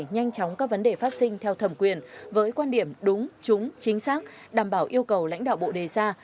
nhanh chóng các vấn đề phát sinh theo thẩm quyền với quan điểm đúng trúng chính xác đảm bảo yêu cầu lãnh đạo bộ đề ra